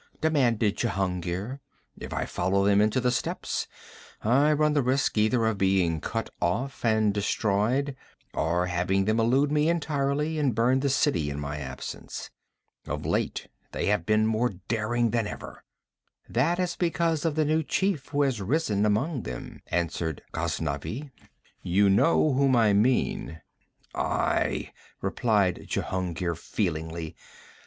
demanded Jehungir. 'If I follow them into the steppes, I run the risk either of being cut off and destroyed, or having them elude me entirely and burn the city in my absence. Of late they have been more daring than ever.' 'That is because of the new chief who has risen among them,' answered Ghaznavi. 'You know whom I mean.' 'Aye!' replied Jehungir feelingly.